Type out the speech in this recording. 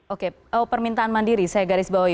oke oh perintahan mandiri saya garis bawahi